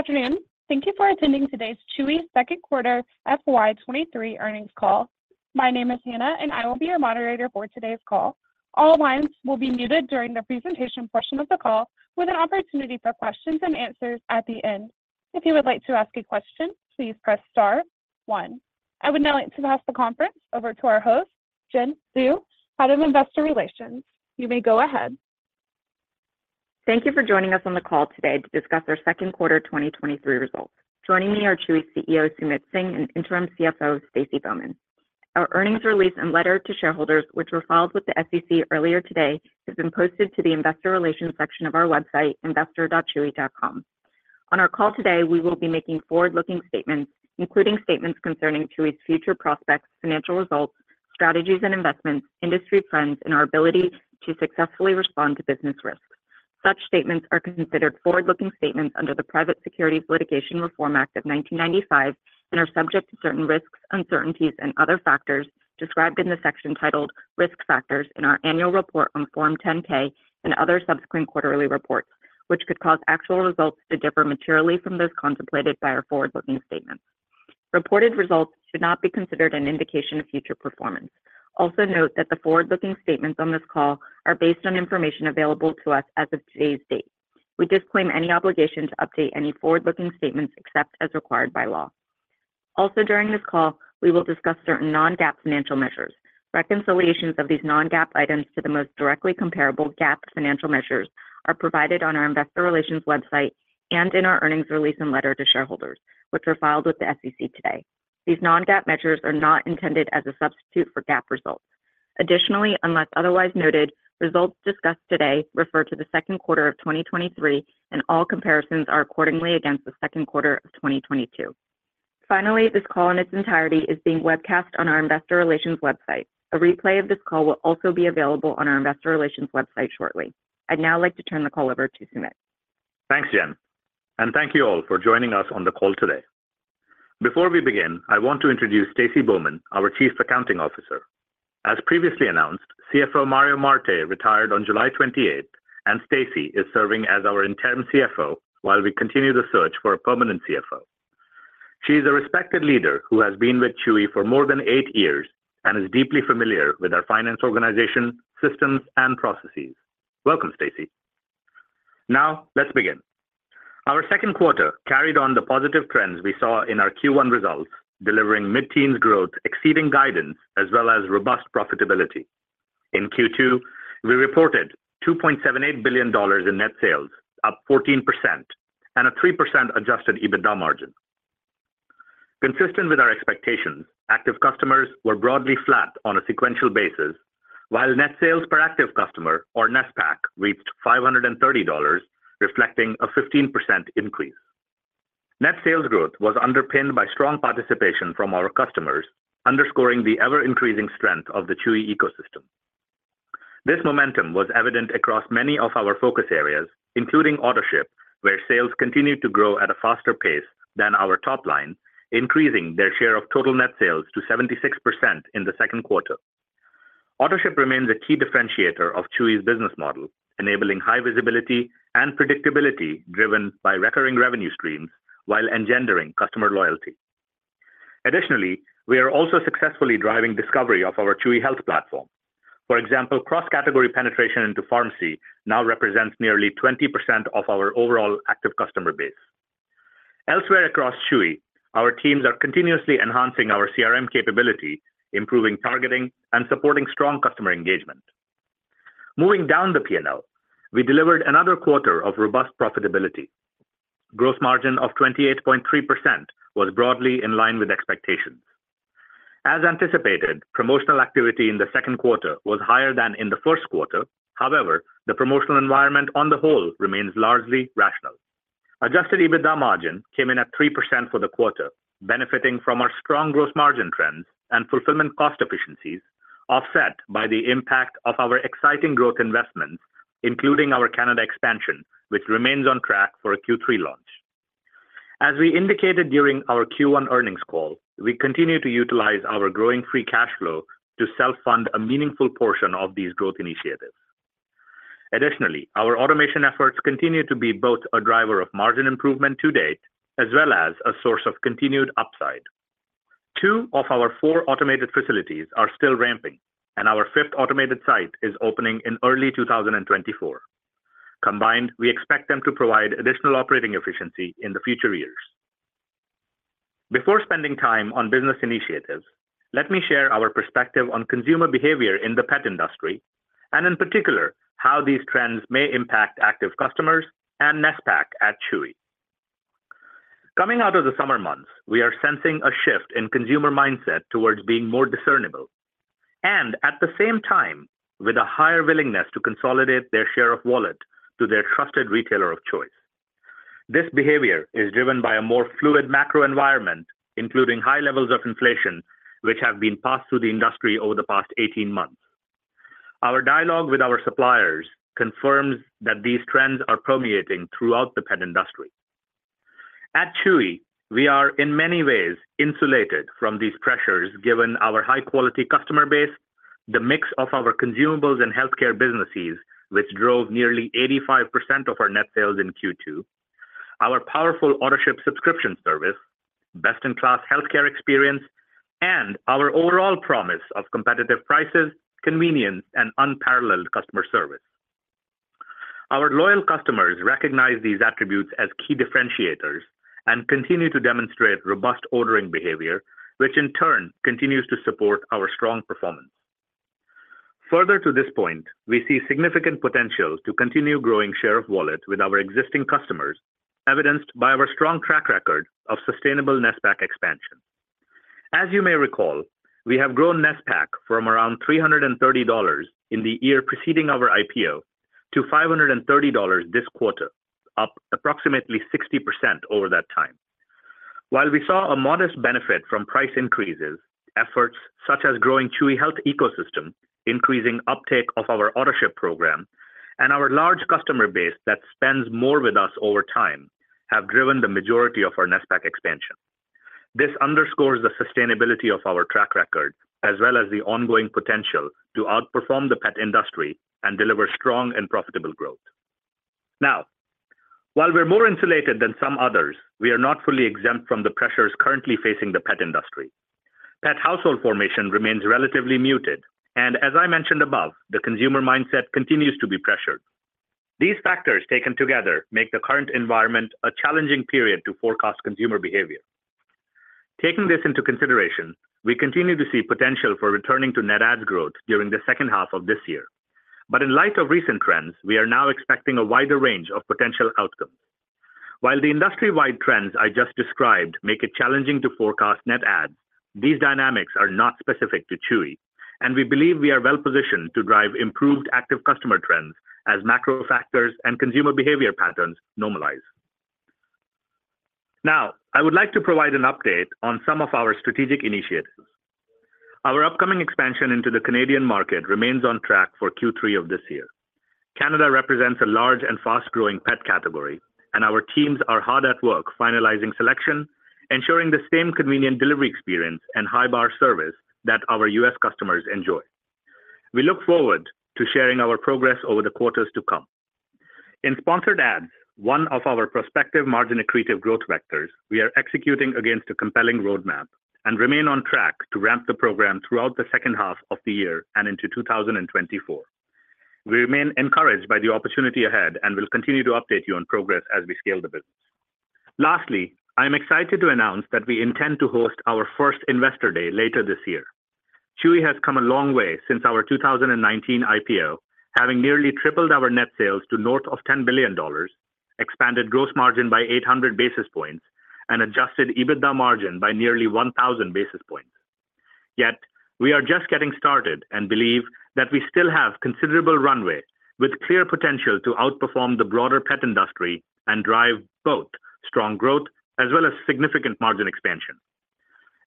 Good afternoon. Thank you for attending today's Chewy second quarter FY 2023 earnings call. My name is Hannah, and I will be your moderator for today's call. All lines will be muted during the presentation portion of the call, with an opportunity for questions and answers at the end. If you would like to ask a question, please press star one. I would now like to pass the conference over to our host, Jen Hsu, Head of Investor Relations. You may go ahead. Thank you for joining us on the call today to discuss our second quarter 2023 results. Joining me are Chewy CEO, Sumit Singh, and Interim CFO, Stacy Bowman. Our earnings release and letter to shareholders, which were filed with the SEC earlier today, have been posted to the investor relations section of our website, investor.chewy.com. On our call today, we will be making forward-looking statements, including statements concerning Chewy's future prospects, financial results, strategies and investments, industry trends, and our ability to successfully respond to business risks. Such statements are considered forward-looking statements under the Private Securities Litigation Reform Act of 1995 and are subject to certain risks, uncertainties, and other factors described in the section titled "Risk Factors" in our annual report on Form 10-K and other subsequent quarterly reports, which could cause actual results to differ materially from those contemplated by our forward-looking statements. Reported results should not be considered an indication of future performance. Also note that the forward-looking statements on this call are based on information available to us as of today's date. We disclaim any obligation to update any forward-looking statements except as required by law. Also, during this call, we will discuss certain non-GAAP financial measures. Reconciliations of these non-GAAP items to the most directly comparable GAAP financial measures are provided on our investor relations website and in our earnings release and letter to shareholders, which were filed with the SEC today. These non-GAAP measures are not intended as a substitute for GAAP results. Additionally, unless otherwise noted, results discussed today refer to the second quarter of 2023, and all comparisons are accordingly against the second quarter of 2022. Finally, this call in its entirety is being webcast on our investor relations website. A replay of this call will also be available on our Investor Relations website shortly. I'd now like to turn the call over to Sumit. Thanks, Jen, and thank you all for joining us on the call today. Before we begin, I want to introduce Stacy Bowman, our Chief Accounting Officer. As previously announced, CFO Mario Marte retired on July 28, and Stacy is serving as our interim CFO while we continue the search for a permanent CFO. She is a respected leader who has been with Chewy for more than eight years and is deeply familiar with our finance organization, systems, and processes. Welcome, Stacy. Now, let's begin. Our second quarter carried on the positive trends we saw in our Q1 results, delivering mid-teen growth, exceeding guidance, as well as robust profitability. In Q2, we reported $2.78 billion in net sales, up 14%, and a 3% Adjusted EBITDA margin. Consistent with our expectations, active customers were broadly flat on a sequential basis, while net sales per active customer, or NetSPAC, reached $530, reflecting a 15% increase. Net sales growth was underpinned by strong participation from our customers, underscoring the ever-increasing strength of the Chewy ecosystem. This momentum was evident across many of our focus areas, including Autoship, where sales continued to grow at a faster pace than our top line, increasing their share of total net sales to 76% in the second quarter. Autoship remains a key differentiator of Chewy's business model, enabling high visibility and predictability driven by recurring revenue streams while engendering customer loyalty. Additionally, we are also successfully driving discovery of our Chewy Health platform. For example, cross-category penetration into pharmacy now represents nearly 20% of our overall active customer base. Elsewhere across Chewy, our teams are continuously enhancing our CRM capability, improving targeting, and supporting strong customer engagement. Moving down the P&L, we delivered another quarter of robust profitability. Gross margin of 28.3% was broadly in line with expectations. As anticipated, promotional activity in the second quarter was higher than in the first quarter. However, the promotional environment on the whole remains largely rational. Adjusted EBITDA margin came in at 3% for the quarter, benefiting from our strong gross margin trends and fulfillment cost efficiencies, offset by the impact of our exciting growth investments, including our Canada expansion, which remains on track for a Q3 launch. As we indicated during our Q1 earnings call, we continue to utilize our growing free cash flow to self-fund a meaningful portion of these growth initiatives. Additionally, our automation efforts continue to be both a driver of margin improvement to date, as well as a source of continued upside. Two of our four automated facilities are still ramping, and our fifth automated site is opening in early 2024. Combined, we expect them to provide additional operating efficiency in the future years. Before spending time on business initiatives, let me share our perspective on consumer behavior in the pet industry, and in particular, how these trends may impact active customers and NetSPAC at Chewy. Coming out of the summer months, we are sensing a shift in consumer mindset towards being more discernible and at the same time, with a higher willingness to consolidate their share of wallet to their trusted retailer of choice. This behavior is driven by a more fluid macro environment, including high levels of inflation, which have been passed through the industry over the past 18 months. Our dialogue with our suppliers confirms that these trends are permeating throughout the pet industry. At Chewy, we are in many ways insulated from these pressures given our high-quality customer base, the mix of our consumables and healthcare businesses, which drove nearly 85% of our net sales in Q2, our powerful Autoship subscription service, best-in-class healthcare experience, and our overall promise of competitive prices, convenience, and unparalleled customer service. Our loyal customers recognize these attributes as key differentiators and continue to demonstrate robust ordering behavior, which in turn continues to support our strong performance. Further to this point, we see significant potential to continue growing share of wallet with our existing customers, evidenced by our strong track record of sustainable NetSPAC expansion. As you may recall, we have grown NetSPAC from around $330 in the year preceding our IPO to $530 this quarter, up approximately 60% over that time. While we saw a modest benefit from price increases, efforts such as growing Chewy Health ecosystem, increasing uptake of our Autoship program, and our large customer base that spends more with us over time, have driven the majority of our NetSPAC expansion. This underscores the sustainability of our track record, as well as the ongoing potential to outperform the pet industry and deliver strong and profitable growth. Now, while we're more insulated than some others, we are not fully exempt from the pressures currently facing the pet industry. Pet household formation remains relatively muted, and as I mentioned above, the consumer mindset continues to be pressured. These factors, taken together, make the current environment a challenging period to forecast consumer behavior. Taking this into consideration, we continue to see potential for returning to net adds growth during the second half of this year. But in light of recent trends, we are now expecting a wider range of potential outcomes. While the industry-wide trends I just described make it challenging to forecast net adds, these dynamics are not specific to Chewy, and we believe we are well positioned to drive improved active customer trends as macro factors and consumer behavior patterns normalize. Now, I would like to provide an update on some of our strategic initiatives. Our upcoming expansion into the Canadian market remains on track for Q3 of this year. Canada represents a large and fast-growing pet category, and our teams are hard at work finalizing selection, ensuring the same convenient delivery experience and high bar service that our U.S. customers enjoy. We look forward to sharing our progress over the quarters to come. In Sponsored Ads, one of our prospective margin accretive growth vectors, we are executing against a compelling roadmap and remain on track to ramp the program throughout the second half of the year and into 2024. We remain encouraged by the opportunity ahead and will continue to update you on progress as we scale the business. Lastly, I am excited to announce that we intend to host our first Investor Day later this year. Chewy has come a long way since our 2019 IPO, having nearly tripled our net sales to north of $10 billion, expanded gross margin by 800 basis points, and adjusted EBITDA margin by nearly 1,000 basis points. Yet, we are just getting started and believe that we still have considerable runway with clear potential to outperform the broader pet industry and drive both strong growth as well as significant margin expansion.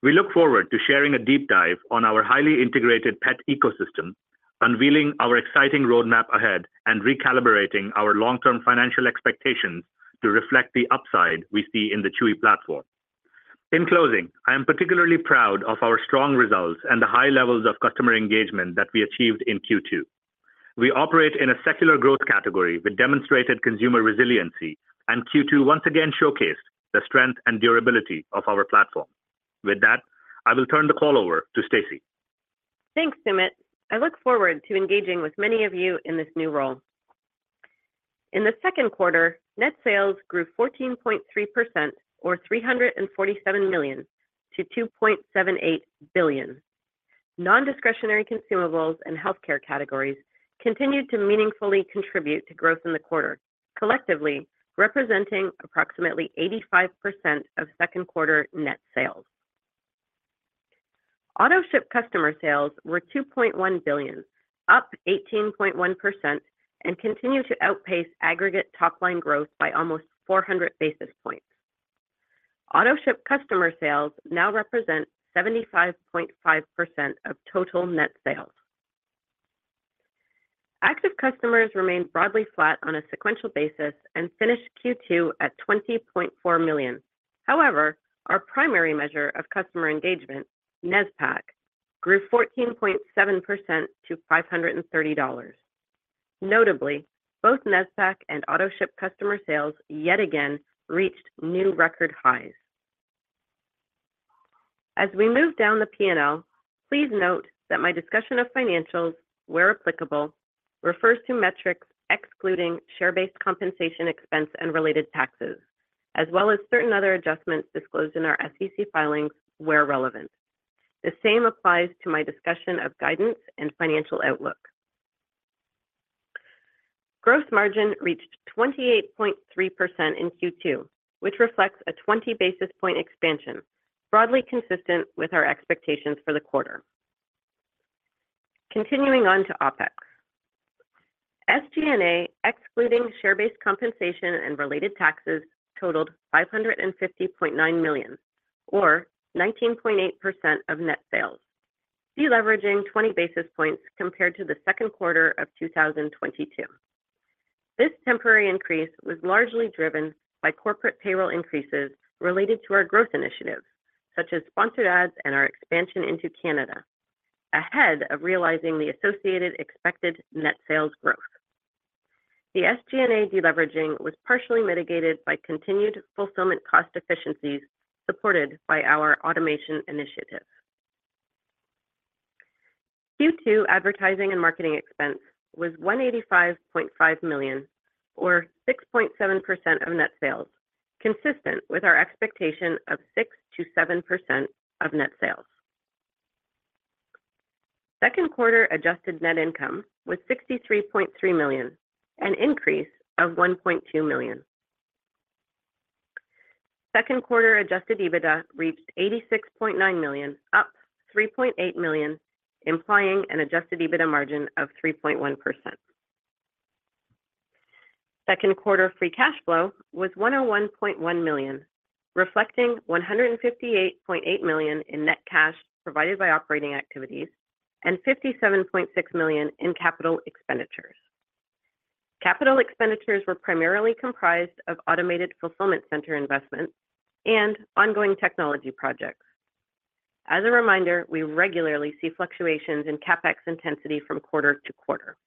We look forward to sharing a deep dive on our highly integrated pet ecosystem, unveiling our exciting roadmap ahead, and recalibrating our long-term financial expectations to reflect the upside we see in the Chewy platform. In closing, I am particularly proud of our strong results and the high levels of customer engagement that we achieved in Q2. We operate in a secular growth category with demonstrated consumer resiliency, and Q2 once again showcased the strength and durability of our platform. With that, I will turn the call over to Stacy. Thanks, Sumit. I look forward to engaging with many of you in this new role. In the second quarter, net sales grew 14.3% or $347 billion-$2.78 billion. Non-discretionary consumables and healthcare categories continued to meaningfully contribute to growth in the quarter, collectively representing approximately 85% of second quarter net sales. Autoship customer sales were $2.1 billion, up 18.1%, and continue to outpace aggregate top-line growth by almost 400 basis points. Autoship customer sales now represent 75.5% of total net sales. Active customers remained broadly flat on a sequential basis and finished Q2 at 20.4 million. However, our primary measure of customer engagement, NetSPAC, grew 14.7% to $530. Notably, both NetSPAC and Autoship customer sales yet again reached new record highs. As we move down the P&L, please note that my discussion of financials, where applicable, refers to metrics excluding share-based compensation expense and related taxes, as well as certain other adjustments disclosed in our SEC filings, where relevant. The same applies to my discussion of guidance and financial outlook. Gross margin reached 28.3% in Q2, which reflects a 20 basis points expansion, broadly consistent with our expectations for the quarter. Continuing on to OpEx. SG&A, excluding share-based compensation and related taxes, totaled $550.9 million or 19.8% of net sales, deleveraging 20 basis points compared to the second quarter of 2022.... This temporary increase was largely driven by corporate payroll increases related to our growth initiatives, such as Sponsored Ads and our expansion into Canada, ahead of realizing the associated expected net sales growth. The SG&A deleveraging was partially mitigated by continued fulfillment cost efficiencies supported by our automation initiatives. Q2 advertising and marketing expense was $185.5 million, or 6.7% of net sales, consistent with our expectation of 6%-7% of net sales. Second quarter adjusted net income was $63.3 million, an increase of $1.2 million. Second quarter adjusted EBITDA reached $86.9 million, up $3.8 million, implying an adjusted EBITDA margin of 3.1%. Second quarter free cash flow was $101.1 million, reflecting $158.8 million in net cash provided by operating activities and $57.6 million in capital expenditures. Capital expenditures were primarily comprised of automated fulfillment center investments and ongoing technology projects. As a reminder, we regularly see fluctuations in CapEx intensity from quarter to quarter.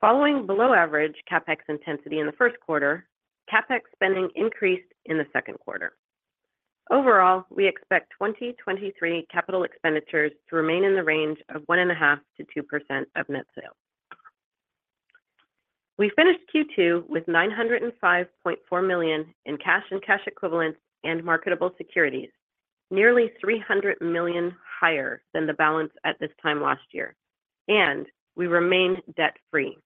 Following below average CapEx intensity in the first quarter, CapEx spending increased in the second quarter. Overall, we expect 2023 capital expenditures to remain in the range of 1.5%-2% of net sales. We finished Q2 with $905.4 million in cash and cash equivalents and marketable securities, nearly $300 million higher than the balance at this time last year, and we remained debt-free.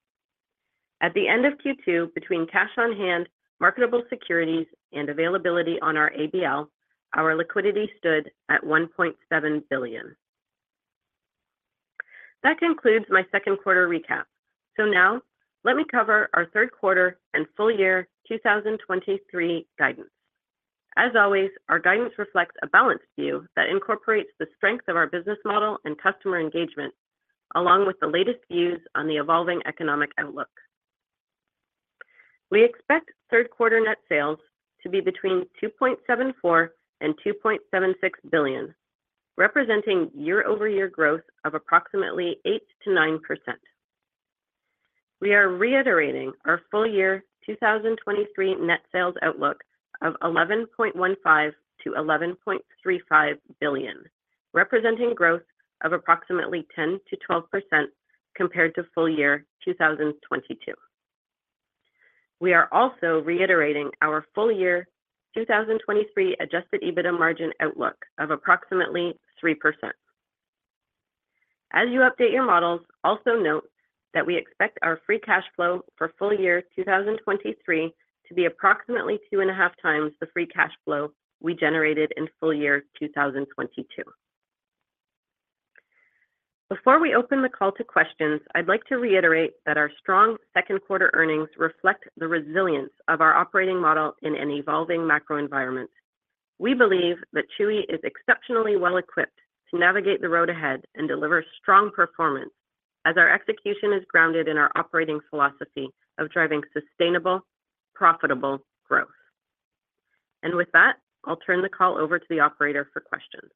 At the end of Q2, between cash on hand, marketable securities, and availability on our ABL, our liquidity stood at $1.7 billion. That concludes my second quarter recap. So now let me cover our third quarter and full year 2023 guidance. As always, our guidance reflects a balanced view that incorporates the strength of our business model and customer engagement, along with the latest views on the evolving economic outlook. We expect third quarter net sales to be between $2.74 billion and $2.76 billion, representing year-over-year growth of approximately 8%-9%. We are reiterating our full year 2023 net sales outlook of $11.15 billion-$11.35 billion, representing growth of approximately 10%-12% compared to full year 2022. We are also reiterating our full year 2023 Adjusted EBITDA margin outlook of approximately 3%. As you update your models, also note that we expect our free cash flow for full year 2023 to be approximately 2.5x the free cash flow we generated in full year 2022. Before we open the call to questions, I'd like to reiterate that our strong second quarter earnings reflect the resilience of our operating model in an evolving macro environment. We believe that Chewy is exceptionally well equipped to navigate the road ahead and deliver strong performance, as our execution is grounded in our operating philosophy of driving sustainable, profitable growth. With that, I'll turn the call over to the operator for questions.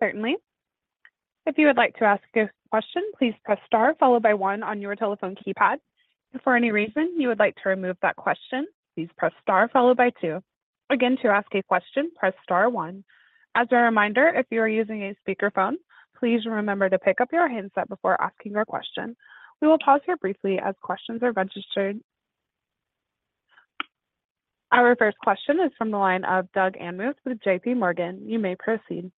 Certainly. If you would like to ask a question, please press star followed by one on your telephone keypad. If for any reason you would like to remove that question, please press star followed by two. Again, to ask a question, press star one. As a reminder, if you are using a speakerphone, please remember to pick up your handset before asking your question. We will pause here briefly as questions are registered. Our first question is from the line of Doug Anmuth with JPMorgan. You may proceed.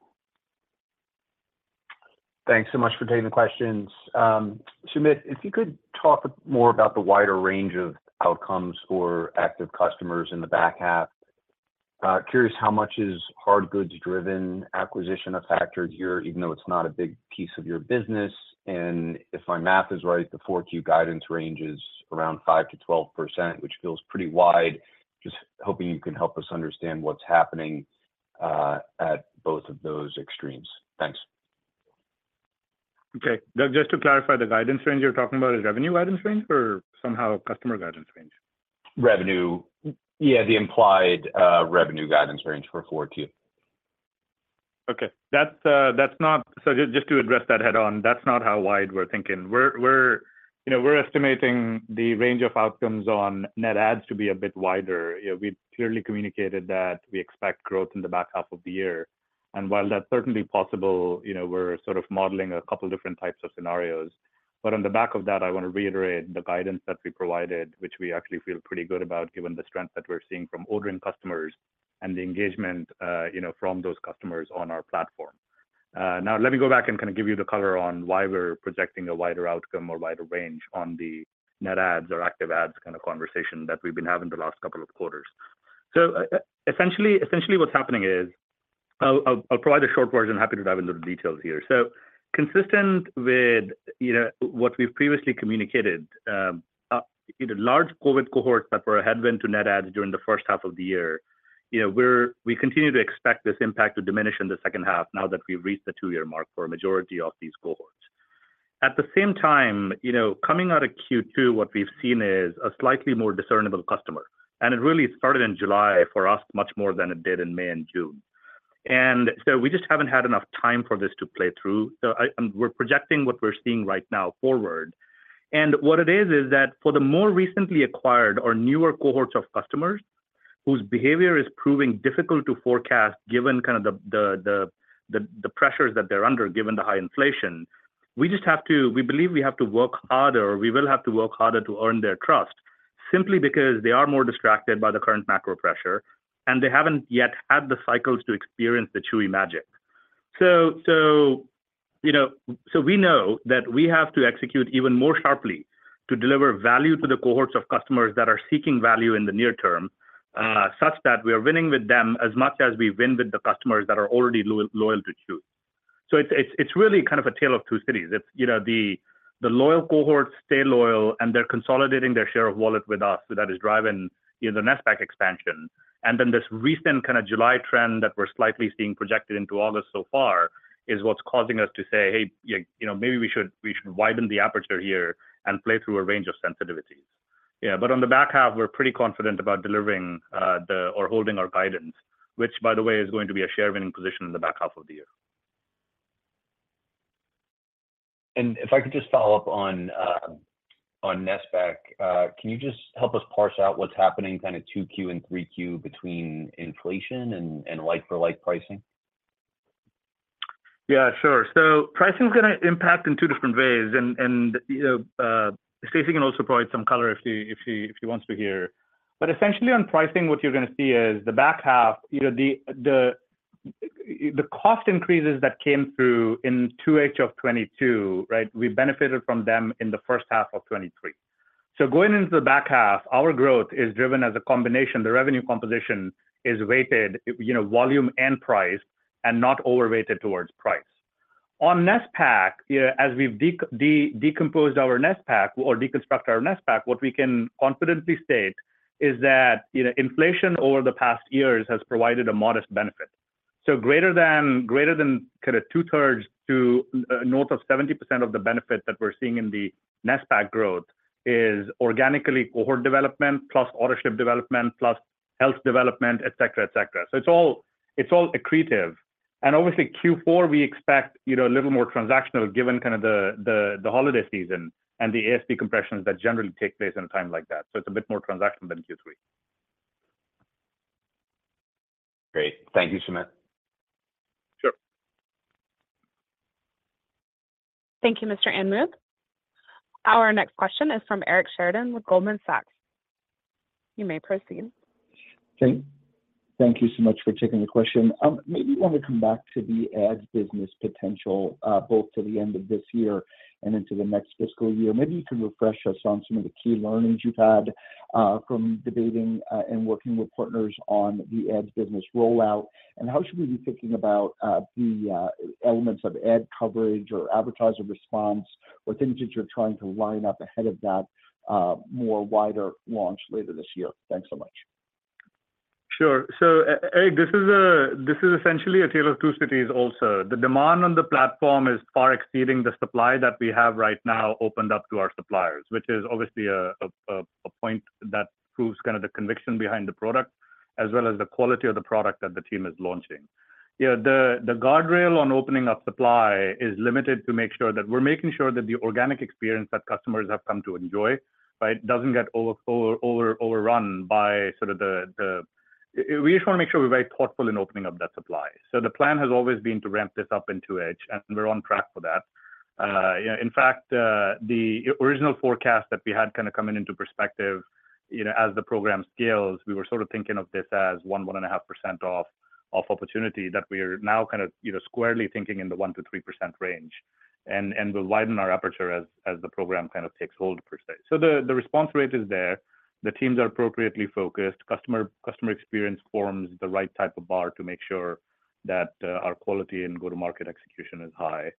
Thanks so much for taking the questions. Sumit, if you could talk more about the wider range of outcomes for active customers in the back half. Curious, how much is hard goods driven acquisition a factor here, even though it's not a big piece of your business? And if my math is right, the Q4 guidance range is around 5%-12%, which feels pretty wide. Just hoping you can help us understand what's happening at both of those extremes. Thanks. Okay. Doug, just to clarify, the guidance range you're talking about is revenue guidance range or somehow customer guidance range? Revenue. Yeah, the implied revenue guidance range for Q4. Okay. That's, that's not... So just, just to address that head on, that's not how wide we're thinking. We're, we're, you know, we're estimating the range of outcomes on net adds to be a bit wider. You know, we clearly communicated that we expect growth in the back half of the year, and while that's certainly possible, you know, we're sort of modeling a couple different types of scenarios. But on the back of that, I want to reiterate the guidance that we provided, which we actually feel pretty good about, given the strength that we're seeing from ordering customers and the engagement, you know, from those customers on our platform. Now, let me go back and kind of give you the color on why we're projecting a wider outcome or wider range on the net adds or active adds kind of conversation that we've been having the last couple of quarters. So essentially, what's happening is... I'll provide a short version. Happy to dive into the details here. So consistent with, you know, what we've previously communicated, you know, large COVID cohorts that were ahead went to net adds during the first half of the year... you know, we continue to expect this impact to diminish in the second half now that we've reached the two-year mark for a majority of these cohorts. At the same time, you know, coming out of Q2, what we've seen is a slightly more discernible customer, and it really started in July for us, much more than it did in May and June. And so we just haven't had enough time for this to play through. So I, we're projecting what we're seeing right now forward. And what it is, is that for the more recently acquired or newer cohorts of customers whose behavior is proving difficult to forecast, given kind of the pressures that they're under, given the high inflation, we just have to, we believe we have to work harder, or we will have to work harder to earn their trust, simply because they are more distracted by the current macro pressure, and they haven't yet had the cycles to experience the Chewy magic. So, you know, we know that we have to execute even more sharply to deliver value to the cohorts of customers that are seeking value in the near term, such that we are winning with them as much as we win with the customers that are already loyal to Chewy. So it's really kind of a tale of two cities. It's, you know, the loyal cohorts stay loyal, and they're consolidating their share of wallet with us. So that is driving, you know, the NSPAC expansion. And then this recent kind of July trend that we're slightly seeing projected into August so far is what's causing us to say, "Hey, you know, maybe we should, we should widen the aperture here and play through a range of sensitivities." Yeah, but on the back half, we're pretty confident about delivering or holding our guidance, which, by the way, is going to be a share winning position in the back half of the year. If I could just follow up on NSPAC, can you just help us parse out what's happening kind of 2Q and 3Q between inflation and like-for-like pricing? Yeah, sure. So pricing is gonna impact in two different ways, and, you know, Stacy can also provide some color if she wants to here. But essentially, on pricing, what you're gonna see is the back half, you know, the cost increases that came through in 2H of 2022, right? We benefited from them in the first half of 2023. So going into the back half, our growth is driven as a combination. The revenue composition is weighted, you know, volume and price, and not overrated towards price. On NSPAC, you know, as we've decomposed our NSPAC or deconstruct our NSPAC, what we can confidently state is that, you know, inflation over the past years has provided a modest benefit. So greater than, greater than kind of two-thirds to north of 70% of the benefit that we're seeing in the NSPAC growth is organically cohort development, plus Autoship development, plus health development, et cetera, et cetera. So it's all, it's all accretive. And obviously, Q4, we expect, you know, a little more transactional, given kind of the holiday season and the ASP compressions that generally take place in a time like that. So it's a bit more transactional than Q3. Great. Thank you, Sumit. Sure. Thank you, Mr. Anmuth. Our next question is from Eric Sheridan with Goldman Sachs. You may proceed. Okay. Thank you so much for taking the question. Maybe I want to come back to the ads business potential, both to the end of this year and into the next fiscal year. Maybe you can refresh us on some of the key learnings you've had, from debating, and working with partners on the ads business rollout, and how should we be thinking about, the, elements of ad coverage or advertiser response, or things that you're trying to line up ahead of that, more wider launch later this year? Thanks so much. Sure. So, Eric, this is essentially a tale of two cities also. The demand on the platform is far exceeding the supply that we have right now opened up to our suppliers, which is obviously a point that proves kind of the conviction behind the product, as well as the quality of the product that the team is launching. You know, the guardrail on opening up supply is limited to make sure that we're making sure that the organic experience that customers have come to enjoy, right, doesn't get overrun by sort of the. We just wanna make sure we're very thoughtful in opening up that supply. So the plan has always been to ramp this up in 2Q, and we're on track for that. Yeah, in fact, the original forecast that we had kind of coming into perspective, you know, as the program scales, we were sort of thinking of this as 1, 1.5% off, off opportunity that we are now kind of, you know, squarely thinking in the 1%-3% range. And we'll widen our aperture as the program kind of takes hold, per se. So the response rate is there. The teams are appropriately focused. Customer experience forums, the right type of bar to make sure that our quality and go-to-market execution is high.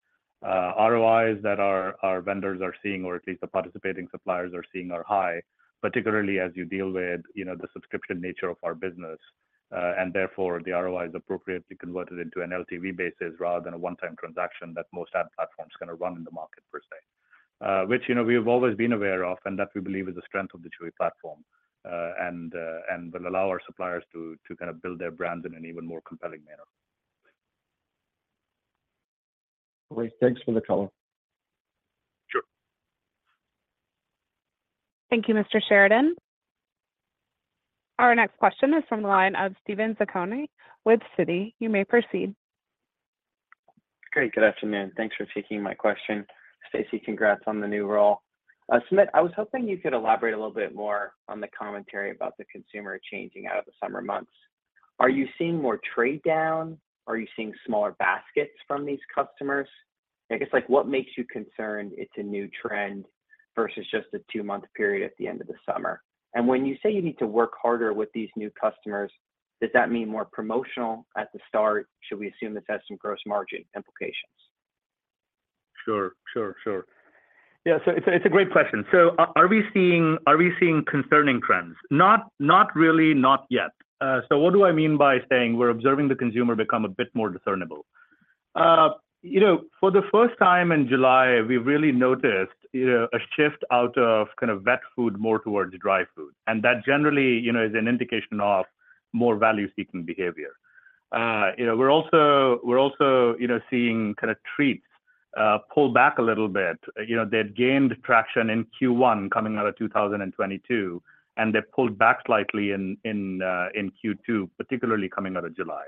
ROIs that our vendors are seeing or at least the participating suppliers are seeing are high, particularly as you deal with, you know, the subscription nature of our business, and therefore, the ROI is appropriately converted into an LTV basis rather than a one-time transaction that most ad platforms kind of run in the market, per se. Which, you know, we have always been aware of, and that we believe is the strength of the Chewy platform, and will allow our suppliers to kind of build their brands in an even more compelling manner. Great. Thanks for the call. Sure. Thank you, Mr. Sheridan. Our next question is from the line of Steven Zaccone with Citi. You may proceed. Great, good afternoon. Thanks for taking my question. Stacy, congrats on the new role. Sumit, I was hoping you could elaborate a little bit more on the commentary about the consumer changing out of the summer months. Are you seeing more trade down? Are you seeing smaller baskets from these customers? I guess, like, what makes you concerned it's a new trend versus just a two-month period at the end of the summer? And when you say you need to work harder with these new customers, does that mean more promotional at the start? Should we assume this has some gross margin implications? ... Sure, sure, sure. Yeah, so it's a great question. So are we seeing concerning trends? Not really. Not yet. So what do I mean by saying we're observing the consumer become a bit more discernible? You know, for the first time in July, we really noticed, you know, a shift out of kind of wet food, more towards dry food. And that generally, you know, is an indication of more value-seeking behavior. You know, we're also seeing kind of treats pull back a little bit. You know, they'd gained traction in Q1, coming out of 2022, and they pulled back slightly in Q2, particularly coming out of July,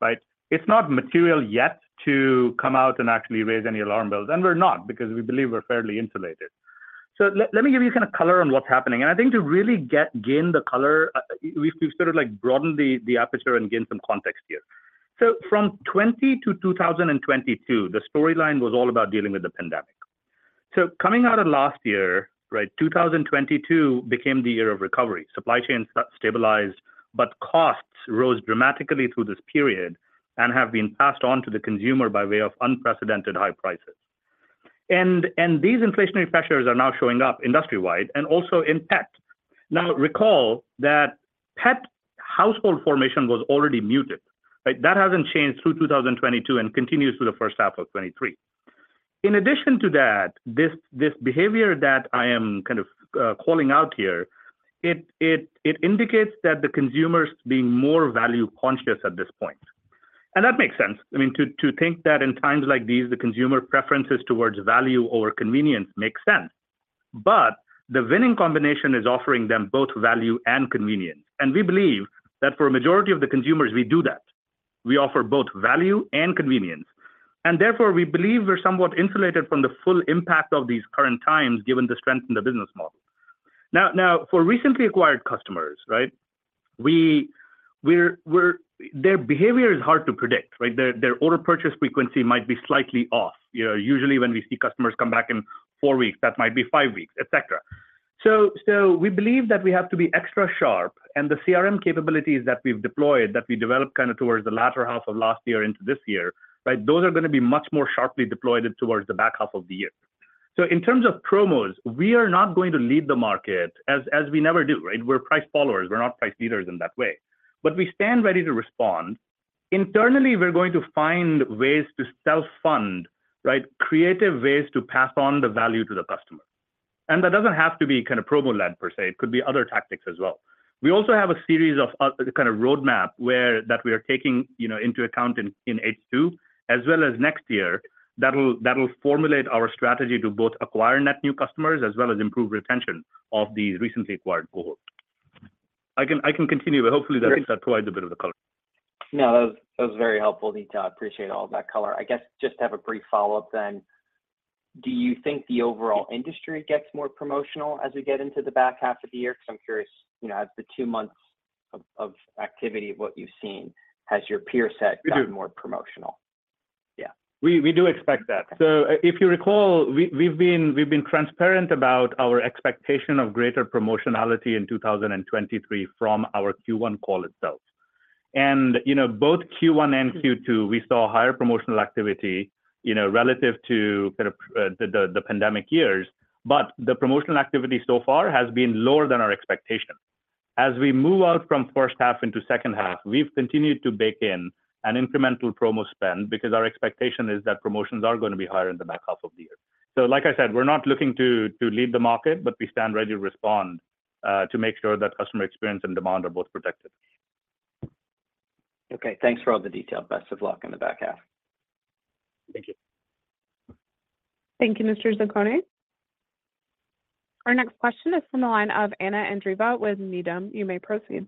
right? It's not material yet to come out and actually raise any alarm bells, and we're not, because we believe we're fairly insulated. So let me give you kind of color on what's happening. And I think to really gain the color, we've sort of like broadened the aperture and gain some context here. So from 2020 to 2022, the storyline was all about dealing with the pandemic. So coming out of last year, right, 2022 became the year of recovery. Supply chains got stabilized, but costs rose dramatically through this period and have been passed on to the consumer by way of unprecedented high prices. And these inflationary pressures are now showing up industry-wide and also in pet. Now, recall that pet household formation was already muted, right? That hasn't changed through 2022 and continues through the first half of 2023. In addition to that, this behavior that I am kind of calling out here, it indicates that the consumer's being more value-conscious at this point. And that makes sense. I mean, to think that in times like these, the consumer preference is towards value over convenience makes sense. But the winning combination is offering them both value and convenience. And we believe that for a majority of the consumers, we do that. We offer both value and convenience. And therefore, we believe we're somewhat insulated from the full impact of these current times, given the strength in the business model. Now, for recently acquired customers, right? We're... Their behavior is hard to predict, right? Their order purchase frequency might be slightly off. You know, usually when we see customers come back in four weeks, that might be five weeks, et cetera. So we believe that we have to be extra sharp, and the CRM capabilities that we've deployed, that we developed kind of towards the latter half of last year into this year, right, those are gonna be much more sharply deployed towards the back half of the year. So in terms of promos, we are not going to lead the market, as we never do, right? We're price followers, we're not price leaders in that way. But we stand ready to respond. Internally, we're going to find ways to self-fund, right, creative ways to pass on the value to the customer. And that doesn't have to be kind of promo-led per se, it could be other tactics as well. We also have a series of kind of roadmap that we are taking, you know, into account in H2, as well as next year, that will formulate our strategy to both acquire net new customers as well as improve retention of the recently acquired cohort. I can continue, but hopefully that provides a bit of the color. No, that was, that was very helpful, Neet, I appreciate all of that color. I guess just to have a brief follow-up then, do you think the overall industry gets more promotional as we get into the back half of the year? Because I'm curious, you know, as the two months of, of activity, what you've seen, has your peer set gotten more promotional? We do. Yeah. We do expect that. So if you recall, we've been transparent about our expectation of greater promotionality in 2023 from our Q1 call itself. And, you know, both Q1 and Q2, we saw higher promotional activity, you know, relative to kind of the pandemic years. But the promotional activity so far has been lower than our expectation. As we move out from first half into second half, we've continued to bake in an incremental promo spend because our expectation is that promotions are gonna be higher in the back half of the year. So like I said, we're not looking to lead the market, but we stand ready to respond to make sure that customer experience and demand are both protected. Okay, thanks for all the detail. Best of luck in the back half. Thank you. Thank you, Mr. Zaccone. Our next question is from the line of Anna Andreeva with Needham. You may proceed.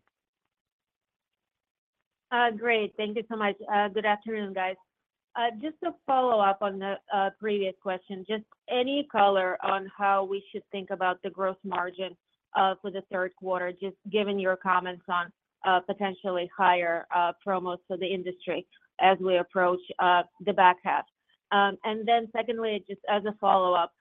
Great. Thank you so much. Good afternoon, guys. Just to follow up on the previous question, just any color on how we should think about the gross margin for the third quarter, just given your comments on potentially higher promos for the industry as we approach the back half? And then secondly, just as a follow-up,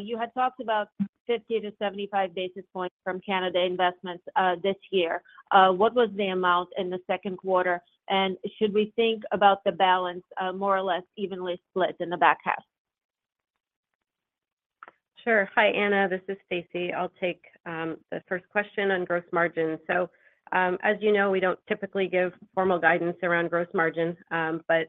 you had talked about 50-75 basis points from Canada investments this year. What was the amount in the second quarter, and should we think about the balance more or less evenly split in the back half? Sure. Hi, Anna, this is Stacy. I'll take the first question on gross margin. So, as you know, we don't typically give formal guidance around gross margin, but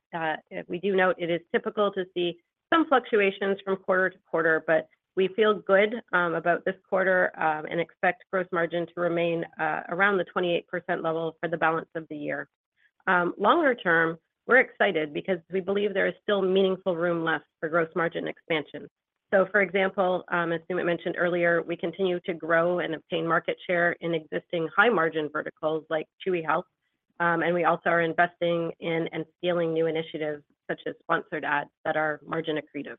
we do note it is typical to see some fluctuations from quarter to quarter, but we feel good about this quarter, and expect gross margin to remain around the 28% level for the balance of the year. Longer term, we're excited because we believe there is still meaningful room left for gross margin expansion. So, for example, as Sumit mentioned earlier, we continue to grow and obtain market share in existing high-margin verticals like Chewy Health. And we also are investing in and scaling new initiatives such as Sponsored Ads that are margin accretive.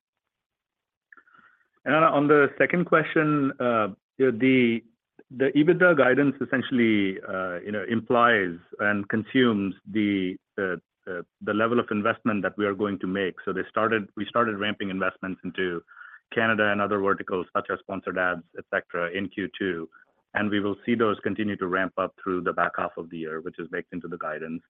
And on the second question, the EBITDA guidance essentially, you know, implies and consumes the level of investment that we are going to make. So we started ramping investments into Canada and other verticals, such as sponsored ads, etc., in Q2, and we will see those continue to ramp up through the back half of the year, which is baked into the guidance.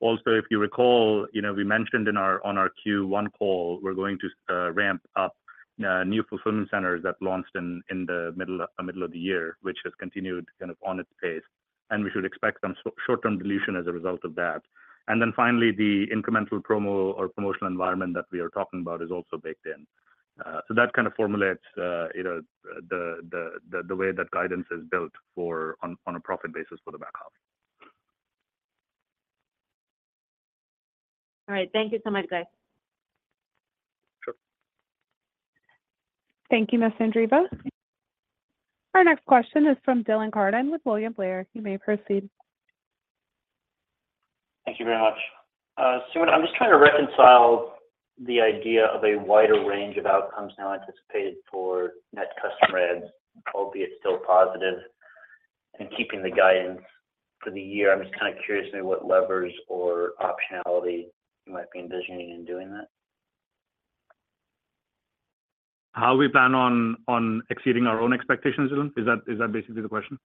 Also, if you recall, you know, we mentioned on our Q1 call, we're going to ramp up new fulfillment centers that launched in the middle of the year, which has continued kind of on its pace, and we should expect some short-term dilution as a result of that. And then finally, the incremental promo or promotional environment that we are talking about is also baked in. So that kind of formulates, you know, the way that guidance is built for a profit basis for the back half. All right. Thank you so much, guys. Sure. Thank you, Ms. Andreeva. Our next question is from Dylan Carden with William Blair. You may proceed. Thank you very much. Sumit, I'm just trying to reconcile the idea of a wider range of outcomes now anticipated for net customer adds, albeit still positive, and keeping the guidance for the year. I'm just kinda curious maybe what levers or optionality you might be envisioning in doing that? How we plan on exceeding our own expectations, Dylan? Is that basically the question?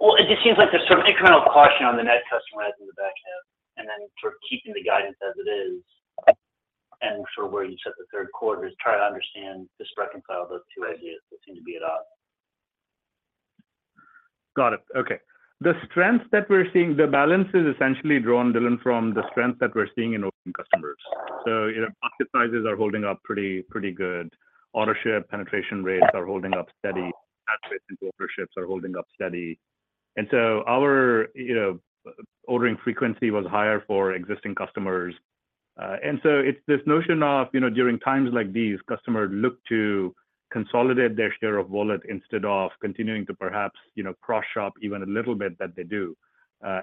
Well, it just seems like there's some incremental caution on the net customer adds in the back half, and then sort of keeping the guidance as it is, and sort of where you set the third quarter. Just trying to understand, just reconcile those two ideas that seem to be at odds. Got it. Okay. The strength that we're seeing. The balance is essentially drawn, Dylan, from the strength that we're seeing in open customers. So, you know, basket sizes are holding up pretty, pretty good. Autoships penetration rates are holding up steady. Add rates into autoships are holding up steady. And so our, you know, ordering frequency was higher for existing customers. And so it's this notion of, you know, during times like these, customers look to consolidate their share of wallet instead of continuing to perhaps, you know, cross-shop even a little bit that they do,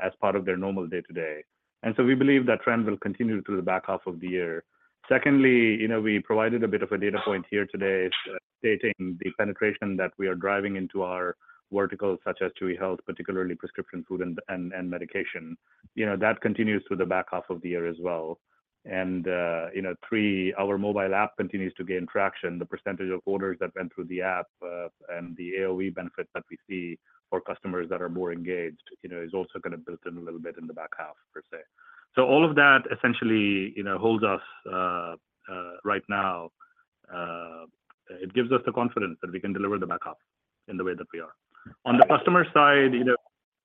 as part of their normal day-to-day. And so we believe that trend will continue through the back half of the year. Secondly, you know, we provided a bit of a data point here today, stating the penetration that we are driving into our verticals, such as Chewy Health, particularly prescription food and medication. You know, that continues through the back half of the year as well. And, you know, our mobile app continues to gain traction. The percentage of orders that went through the app, and the AOV benefits that we see for customers that are more engaged, you know, is also gonna build in a little bit in the back half, per se. So all of that essentially, you know, holds us right now. It gives us the confidence that we can deliver the back half in the way that we are. Got it. On the customer side, you know,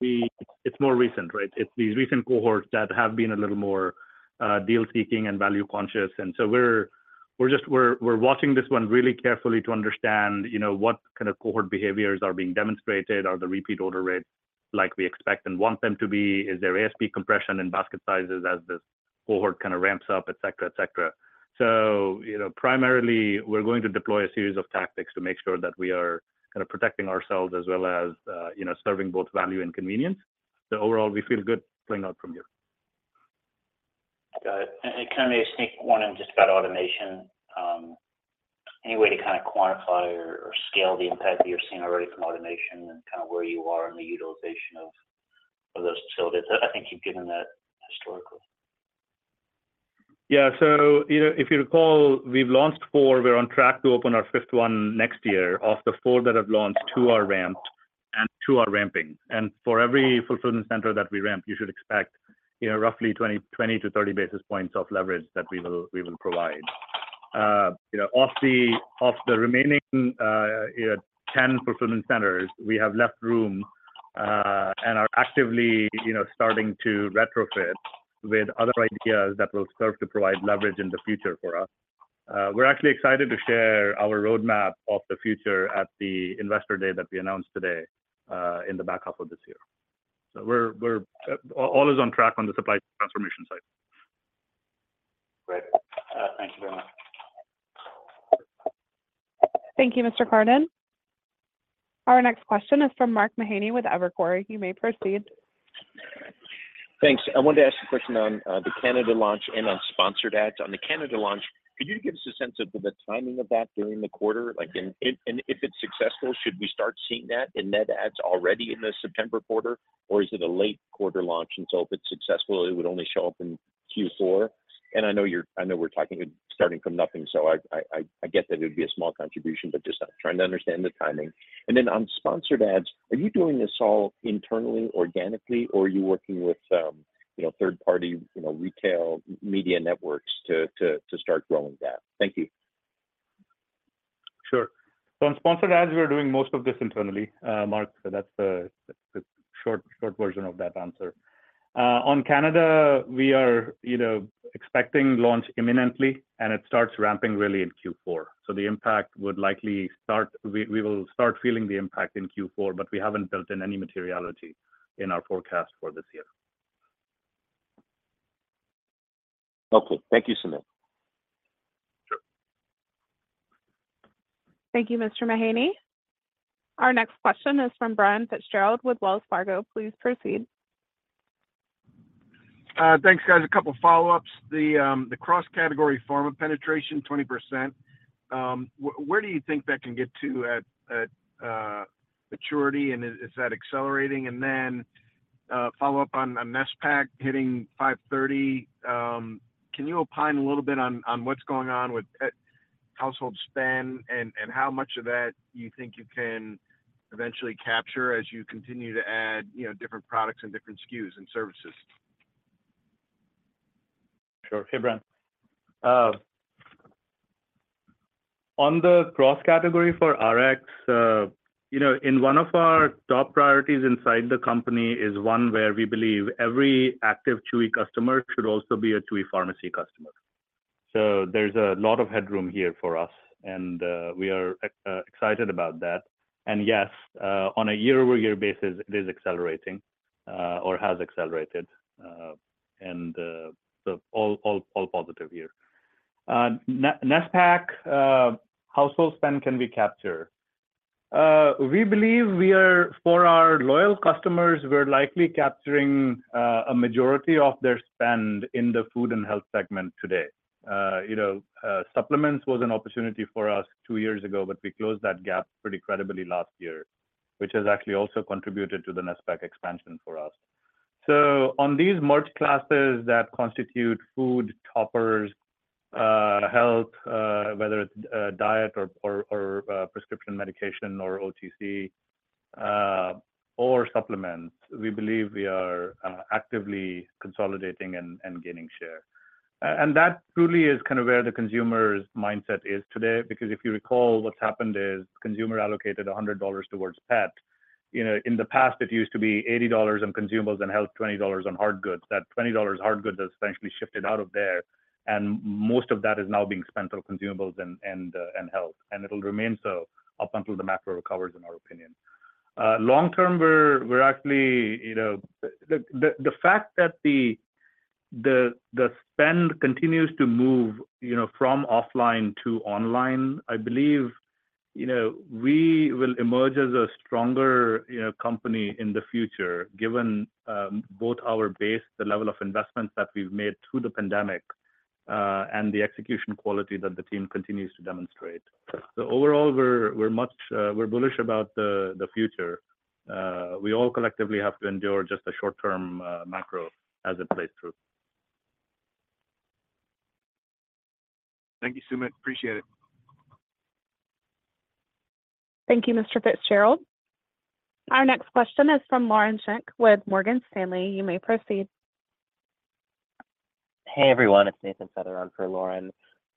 it's more recent, right? It's these recent cohorts that have been a little more deal seeking and value conscious. And so we're just watching this one really carefully to understand, you know, what kind of cohort behaviors are being demonstrated. Are the repeat order rates like we expect and want them to be? Is there ASP compression in basket sizes as this cohort kind of ramps up, et cetera, et cetera? So, you know, primarily, we're going to deploy a series of tactics to make sure that we are kind of protecting ourselves as well as, you know, serving both value and convenience. So overall, we feel good playing out from here. Got it. And kind of a sneak one in just about automation. Any way to kind of quantify or scale the impact that you're seeing already from automation and kind of where you are in the utilization of those facilities? I think you've given that historically. Yeah. So, you know, if you recall, we've launched four. We're on track to open our fifth one next year. Of the four that have launched, two are ramped and two are ramping. And for every fulfillment center that we ramp, you should expect, you know, roughly 20-30 basis points of leverage that we will, we will provide. You know, of the remaining 10 fulfillment centers, we have left room and are actively, you know, starting to retrofit with other ideas that will serve to provide leverage in the future for us. We're actually excited to share our roadmap of the future at the Investor Day that we announced today in the back half of this year. So we're all is on track on the supply transformation side. Great. Thank you very much. Thank you, Mr. Carden. Our next question is from Mark Mahaney with Evercore. You may proceed. Thanks. I wanted to ask a question on the Canada launch and on sponsored ads. On the Canada launch, could you give us a sense of the timing of that during the quarter? Like, and if it's successful, should we start seeing that in net adds already in the September quarter, or is it a late quarter launch, and so if it's successful, it would only show up in Q4? And I know you're—I know we're talking starting from nothing, so I get that it would be a small contribution, but just trying to understand the timing. And then on sponsored ads, are you doing this all internally, organically, or are you working with, you know, third-party, you know, retail media networks to start growing that? Thank you. Sure. So on Sponsored Ads, we are doing most of this internally, Mark. So that's the, the short, short version of that answer. On Canada, we are, you know, expecting launch imminently, and it starts ramping really in Q4. So the impact would likely start. We, we will start feeling the impact in Q4, but we haven't built in any materiality in our forecast for this year. Okay. Thank you, Sumit. Sure. Thank you, Mr. Mahaney. Our next question is from Brian Fitzgerald with Wells Fargo. Please proceed. Thanks, guys. A couple follow-ups. The cross-category pharma penetration, 20%, where do you think that can get to at maturity, and is that accelerating? And then-... follow up on a NetSPAC hitting $530. Can you opine a little bit on, on what's going on with the household spend, and, and how much of that you think you can eventually capture as you continue to add, you know, different products and different SKUs and services? Sure. Hey, Brian. On the cross category for Rx, you know, in one of our top priorities inside the company is one where we believe every active Chewy customer should also be a Chewy pharmacy customer. So there's a lot of headroom here for us, and we are excited about that. And yes, on a year-over-year basis, it is accelerating or has accelerated. And so all positive here. NSPAC household spend can we capture? We believe we are—for our loyal customers, we're likely capturing a majority of their spend in the food and health segment today. You know, supplements was an opportunity for us two years ago, but we closed that gap pretty credibly last year, which has actually also contributed to the NSPAC expansion for us. So on these merch classes that constitute food, toppers, health, whether it's diet or prescription medication, or OTC, or supplements, we believe we are actively consolidating and gaining share. That truly is kind of where the consumer's mindset is today. Because if you recall, what's happened is consumer allocated $100 towards pet. You know, in the past, it used to be $80 on consumables and health, $20 on hard goods. That $20 hard goods has essentially shifted out of there, and most of that is now being spent on consumables and health, and it'll remain so up until the macro recovers, in our opinion. Long term, we're actually, you know... The fact that the spend continues to move, you know, from offline to online, I believe, you know, we will emerge as a stronger, you know, company in the future, given both our base, the level of investments that we've made through the pandemic, and the execution quality that the team continues to demonstrate. So overall, we're much... We're bullish about the future. We all collectively have to endure just a short-term macro as it plays through. Thank you, Sumit. Appreciate it. Thank you, Mr. Fitzgerald. Our next question is from Lauren Schenk with Morgan Stanley. You may proceed. Hey, everyone, it's Nathan Feather for Lauren.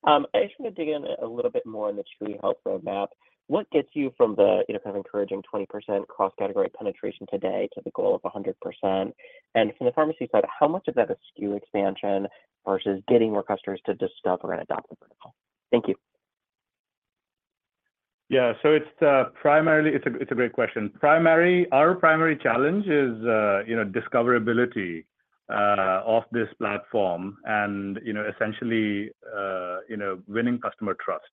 I just want to dig in a little bit more on the Chewy Health roadmap. What gets you from the, you know, kind of encouraging 20% cost category penetration today to the goal of 100%? And from the pharmacy side, how much of that is SKU expansion versus getting more customers to discover and adopt the vertical? Thank you. Yeah. So it's primarily. It's a great question. Our primary challenge is, you know, discoverability of this platform and, you know, essentially, you know, winning customer trust.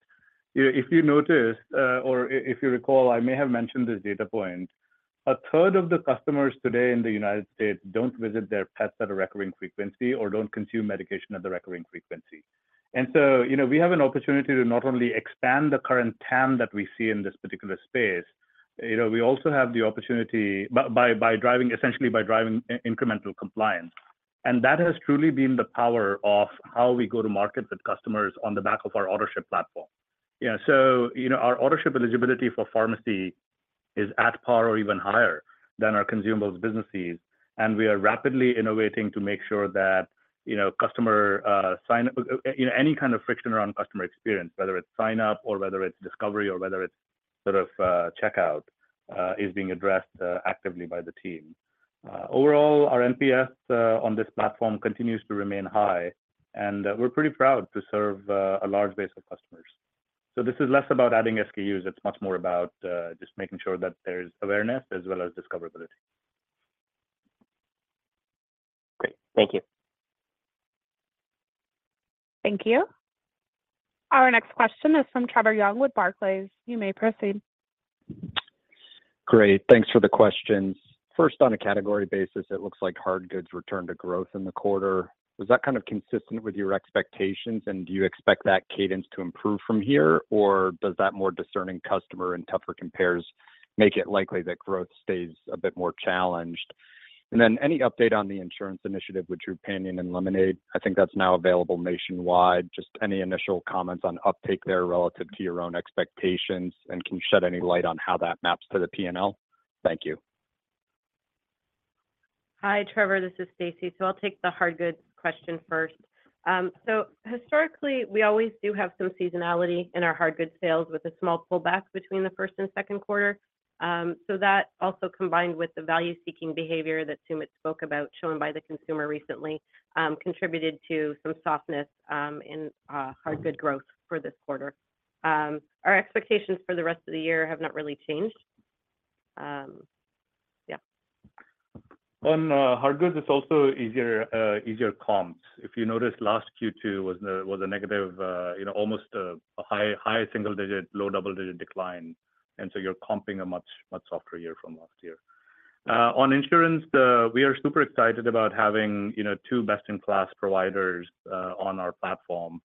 You know, if you noticed or if you recall, I may have mentioned this data point. A third of the customers today in the United States don't visit their vets at a recurring frequency or don't consume medication at a recurring frequency. And so, you know, we have an opportunity to not only expand the current TAM that we see in this particular space, you know, we also have the opportunity by driving, essentially by driving incremental compliance. And that has truly been the power of how we go to market with customers on the back of our Autoship platform. You know, so, you know, our Autoship eligibility for pharmacy is at par or even higher than our consumables businesses. And we are rapidly innovating to make sure that, you know, customer sign up, you know, any kind of friction around customer experience, whether it's sign up, or whether it's discovery, or whether it's sort of checkout is being addressed actively by the team. Overall, our NPS on this platform continues to remain high, and we're pretty proud to serve a large base of customers. So this is less about adding SKUs. It's much more about just making sure that there's awareness as well as discoverability. Great. Thank you. Thank you. Our next question is from Trevor Young with Barclays. You may proceed. Great. Thanks for the questions. First, on a category basis, it looks like Hardgoods returned to growth in the quarter. Was that kind of consistent with your expectations, and do you expect that cadence to improve from here? Or does that more discerning customer and tougher compares make it likely that growth stays a bit more challenged? And then any update on the insurance initiative with Trupanion and Lemonade? I think that's now available nationwide. Just any initial comments on uptake there relative to your own expectations, and can you shed any light on how that maps to the PNL? Thank you. Hi, Trevor. This is Stacy. So I'll take the hard goods question first. So historically, we always do have some seasonality in our hard goods sales, with a small pullback between the first and second quarter. So that also combined with the value-seeking behavior that Sumit spoke about, shown by the consumer recently, contributed to some softness in hard good growth for this quarter. Our expectations for the rest of the year have not really changed. Yeah. On hard goods, it's also easier comps. If you notice, last Q2 was a negative, you know, almost a high single digit, low double-digit decline. And so you're comping a much, much softer year from last year. On insurance, we are super excited about having, you know, two best-in-class providers on our platform,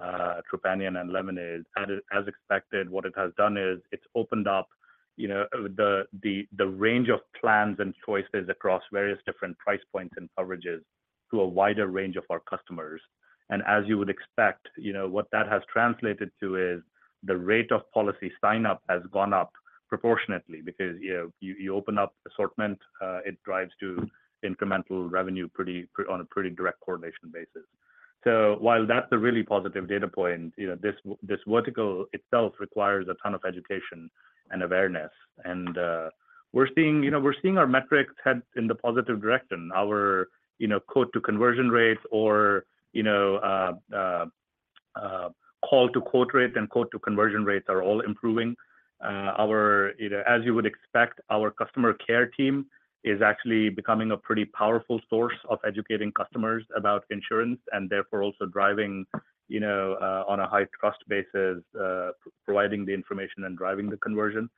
Trupanion and Lemonade. As expected, what it has done is it's opened up you know, the range of plans and choices across various different price points and coverages to a wider range of our customers. And as you would expect, you know, what that has translated to is the rate of policy sign-up has gone up proportionately because, you know, you open up assortment, it drives to incremental revenue pretty on a pretty direct correlation basis. So while that's a really positive data point, you know, this vertical itself requires a ton of education and awareness. And we're seeing, you know, our metrics head in the positive direction. Our quote to conversion rates or, you know, call to quote rates and quote to conversion rates are all improving. As you would expect, our customer care team is actually becoming a pretty powerful source of educating customers about insurance, and therefore, also driving, you know, on a high trust basis, providing the information and driving the conversion.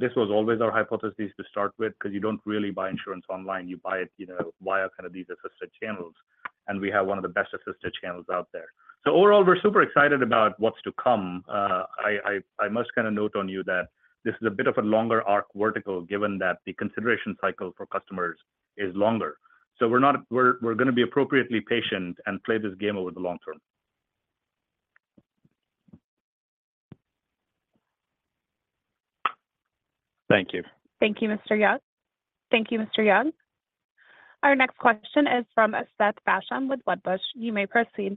This was always our hypothesis to start with, 'cause you don't really buy insurance online, you buy it, you know, via kind of these assisted channels, and we have one of the best assisted channels out there. So overall, we're super excited about what's to come. I must kind of note to you that this is a bit of a longer arc vertical, given that the consideration cycle for customers is longer. So we're gonna be appropriately patient and play this game over the long term. Thank you. Thank you, Mr. Young. Thank you, Mr. Young. Our next question is from Seth Basham with Wedbush. You may proceed.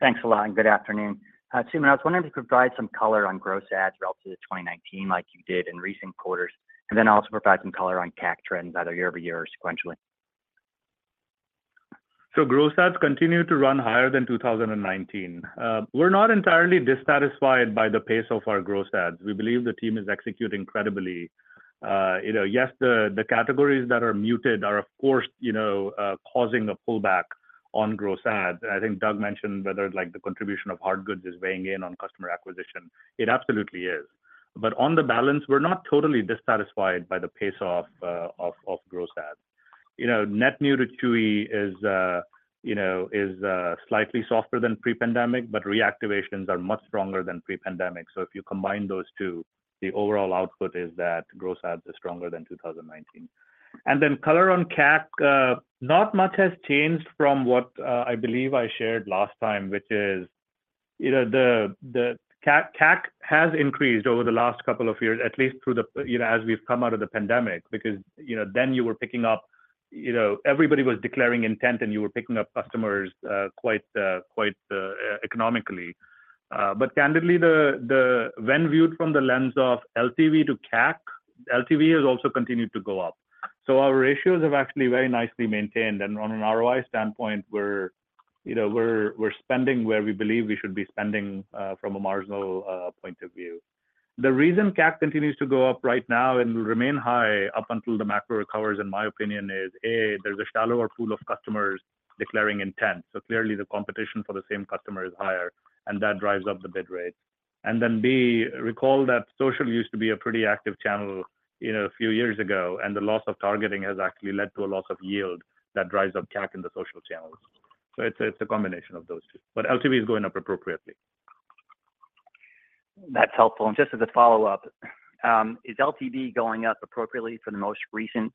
Thanks a lot, and good afternoon. Sumit, I was wondering if you could provide some color on gross adds relative to 2019, like you did in recent quarters, and then also provide some color on CAC trends, either year-over-year or sequentially? So gross adds continue to run higher than 2019. We're not entirely dissatisfied by the pace of our gross adds. We believe the team is executing incredibly. You know, yes, the, the categories that are muted are, of course, you know, causing a pullback on gross adds. I think Doug mentioned whether, like, the contribution of hard goods is weighing in on customer acquisition. It absolutely is. But on the balance, we're not totally dissatisfied by the pace of, of, of gross adds. You know, net new to Chewy is, you know, is, slightly softer than pre-pandemic, but reactivations are much stronger than pre-pandemic. So if you combine those two, the overall output is that gross adds are stronger than 2019. And then color on CAC, not much has changed from what I believe I shared last time, which is, you know, the CAC has increased over the last couple of years, at least through, you know, as we've come out of the pandemic, because, you know, then you were picking up. You know, everybody was declaring intent, and you were picking up customers quite economically. But candidly, when viewed from the lens of LTV to CAC, LTV has also continued to go up. So our ratios have actually very nicely maintained. And on an ROI standpoint, we're, you know, spending where we believe we should be spending from a marginal point of view. The reason CAC continues to go up right now and remain high up until the macro recovers, in my opinion, is, A, there's a shallower pool of customers declaring intent, so clearly the competition for the same customer is higher, and that drives up the bid rate. And then, B, recall that social used to be a pretty active channel, you know, a few years ago, and the loss of targeting has actually led to a loss of yield that drives up CAC in the social channels. So it's a, it's a combination of those two, but LTV is going up appropriately. That's helpful. And just as a follow-up, is LTV going up appropriately for the most recent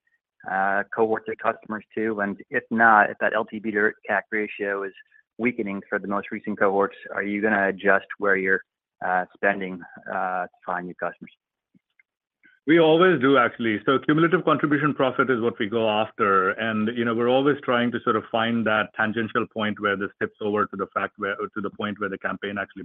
cohorts of customers too? And if not, if that LTV to CAC ratio is weakening for the most recent cohorts, are you gonna adjust where you're spending to find new customers? We always do, actually. So cumulative contribution profit is what we go after, and, you know, we're always trying to sort of find that tangential point where this tips over to the fact where or to the point where the campaign actually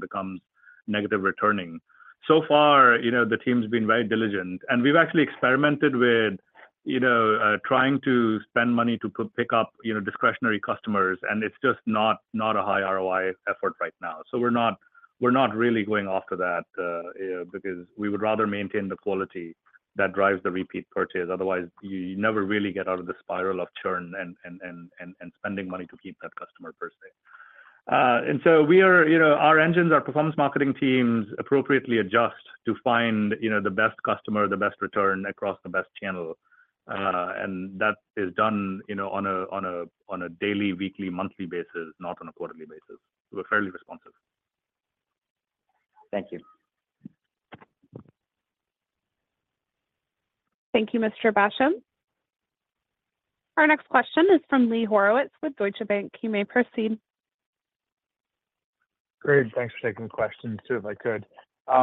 becomes negative returning. So far, you know, the team's been very diligent. And we've actually experimented with, you know, trying to spend money to pick up discretionary customers, and it's just not a high ROI effort right now. So we're not really going after that because we would rather maintain the quality that drives the repeat purchase. Otherwise, you never really get out of the spiral of churn and spending money to keep that customer per se. And so we are, you know, our engines, our performance marketing teams appropriately adjust to find, you know, the best customer, the best return across the best channel. And that is done, you know, on a daily, weekly, monthly basis, not on a quarterly basis. We're fairly responsive. Thank you. Thank you, Mr. Basham. Our next question is from Lee Horowitz with Deutsche Bank. You may proceed. Great. Thanks for taking the question. Two, if I could.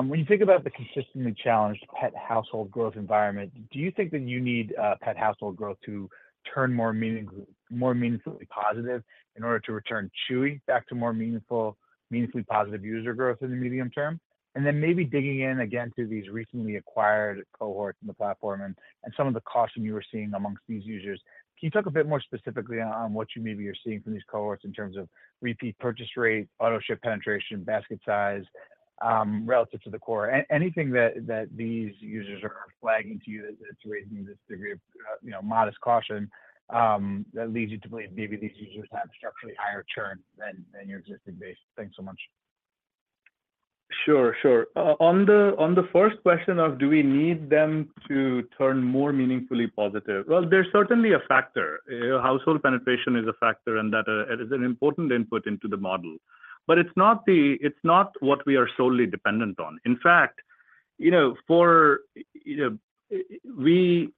When you think about the consistently challenged pet household growth environment, do you think that you need a pet household growth to turn more meaningfully positive in order to return Chewy back to meaningfully positive user growth in the medium term? And then maybe digging in again to these recently acquired cohorts in the platform and some of the caution you were seeing amongst these users. Can you talk a bit more specifically on what you maybe are seeing from these cohorts in terms of repeat purchase rate, Autoship penetration, basket size, relative to the core? Anything that these users are flagging to you that's raising this degree of, you know, modest caution that leads you to believe maybe these users have structurally higher churn than your existing base? Thanks so much. Sure, sure. On the first question of do we need them to turn more meaningfully positive? Well, they're certainly a factor. Household penetration is a factor, and that, it is an important input into the model. But it's not what we are solely dependent on. In fact, you know, for, you know, we,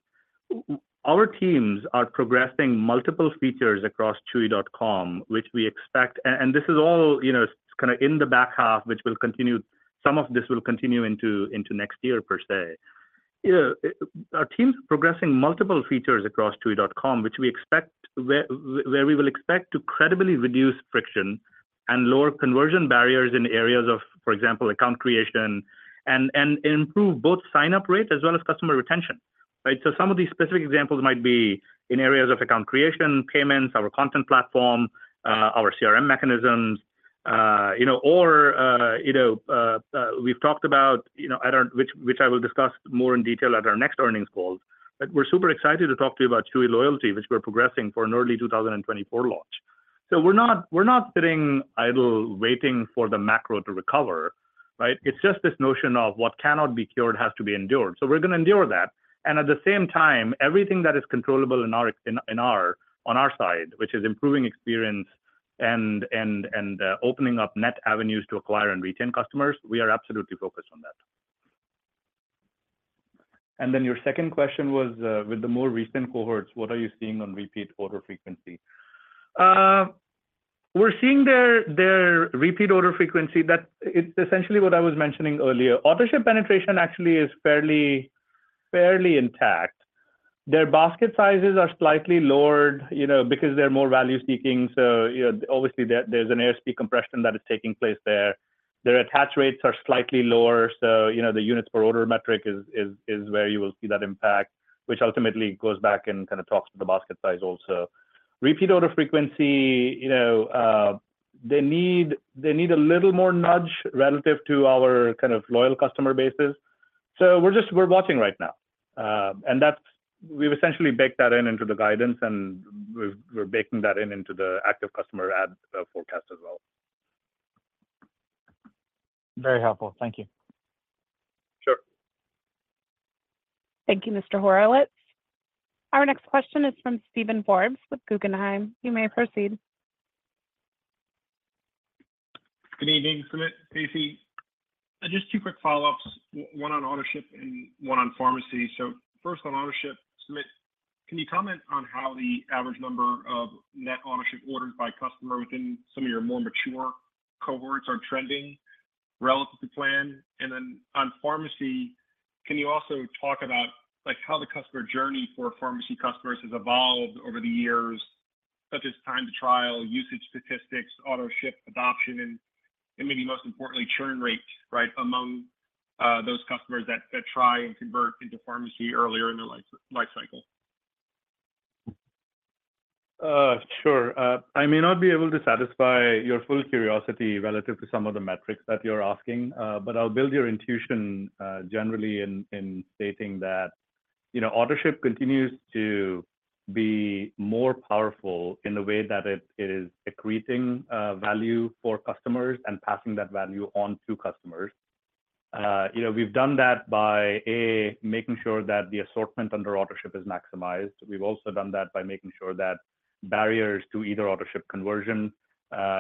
our teams are progressing multiple features across Chewy.com, which we expect— And, and this is all, you know, kind of, in the back half, which will continue, some of this will continue into, into next year, per se. You know, our team's progressing multiple features across Chewy.com, which we expect, where, where we will expect to credibly reduce friction and lower conversion barriers in areas of, for example, account creation, and, and, improve both sign-up rates as well as customer retention, right? So some of these specific examples might be in areas of account creation, payments, our content platform, our CRM mechanisms, you know, or, you know, we've talked about, you know, at our... Which I will discuss more in detail at our next earnings calls. But we're super excited to talk to you about Chewy Loyalty, which we're progressing for an early 2024 launch. So we're not sitting idle waiting for the macro to recover, right? It's just this notion of what cannot be cured has to be endured. So we're gonna endure that, and at the same time, everything that is controllable in our in our on our side, which is improving experience and, and opening up net avenues to acquire and retain customers, we are absolutely focused on that. And then your second question was, with the more recent cohorts, what are you seeing on repeat order frequency? We're seeing their repeat order frequency, that it's essentially what I was mentioning earlier. Autoship penetration actually is fairly intact. Their basket sizes are slightly lowered, you know, because they're more value seeking. So, you know, obviously, there's an ASP compression that is taking place there. Their attach rates are slightly lower, so, you know, the units per order metric is where you will see that impact, which ultimately goes back and kind of talks to the basket size also. Repeat order frequency, you know, they need a little more nudge relative to our kind of loyal customer bases. So we're just watching right now. And that's, we've essentially baked that in into the guidance, and we've, we're baking that in into the active customer add forecast as well. Very helpful. Thank you. Sure. Thank you, Mr. Horowitz. Our next question is from Steven Forbes with Guggenheim. You may proceed. Good evening, Sumit, Stacy. Just two quick follow-ups, one on Autoship and one on Pharmacy. So first on Autoship, Sumit, can you comment on how the average number of net Autoship orders by customer within some of your more mature cohorts are trending relative to plan? And then on Pharmacy, can you also talk about, like, how the customer journey for Pharmacy customers has evolved over the years, such as time to trial, usage statistics, Autoship adoption, and maybe most importantly, churn rate, right, among those customers that try and convert into Pharmacy earlier in their lifecycle? Sure. I may not be able to satisfy your full curiosity relative to some of the metrics that you're asking, but I'll build your intuition, generally in stating that, you know, Autoship continues to be more powerful in the way that it is accreting, value for customers and passing that value on to customers. You know, we've done that by, A, making sure that the assortment under Autoship is maximized. We've also done that by making sure that barriers to either Autoship conversion,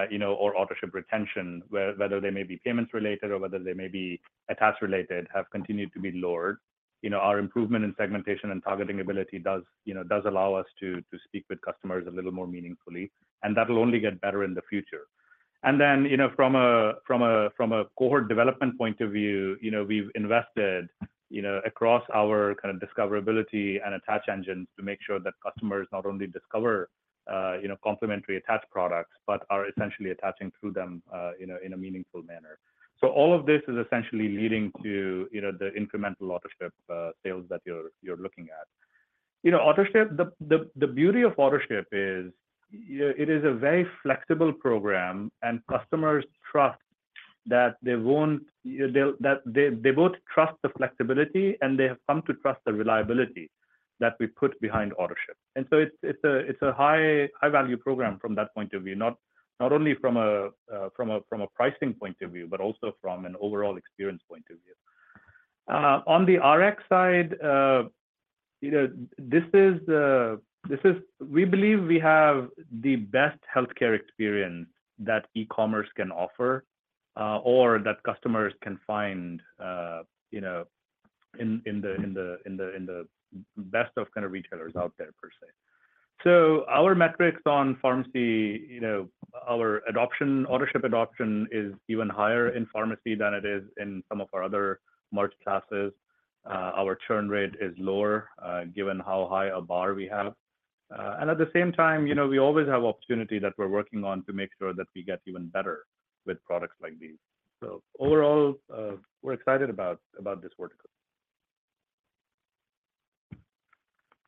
you know, or Autoship retention, whether they may be payments related or whether they may be attach related, have continued to be lowered. You know, our improvement in segmentation and targeting ability does, you know, allow us to speak with customers a little more meaningfully, and that will only get better in the future. And then, you know, from a cohort development point of view, you know, we've invested, you know, across our kind of discoverability and attach engines to make sure that customers not only discover, you know, complementary attached products, but are essentially attaching through them, you know, in a meaningful manner. So all of this is essentially leading to, you know, the incremental Autoship sales that you're looking at. You know, Autoship, the beauty of Autoship is, you know, it is a very flexible program, and customers trust that they won't... They'll – that they both trust the flexibility, and they have come to trust the reliability that we put behind Autoship. It's a high-value program from that point of view, not only from a pricing point of view, but also from an overall experience point of view. On the RX side, you know, this is. We believe we have the best healthcare experience that e-commerce can offer, or that customers can find, you know, in the best of kind of retailers out there per se. So our metrics on Pharmacy, you know, our adoption, Autoship adoption is even higher in Pharmacy than it is in some of our other merch classes. Our churn rate is lower, given how high a bar we have. And at the same time, you know, we always have opportunity that we're working on to make sure that we get even better with products like these. So overall, we're excited about this vertical.